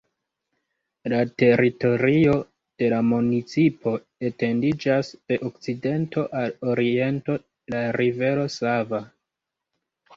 La teritorio de la municipo etendiĝas de okcidento al oriento la rivero Sava.